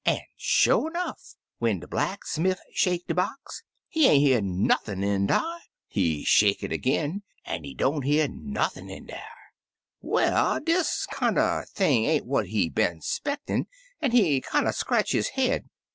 An' sho' 'nough, when de blacksmiff shake de box, he ain't hear nothin' in dar. He shake it ag'in, an' he don't hear nothin' in dar. "Well, dis kinder thing ain't what he been 'spectin' an' he kinder scratch his head.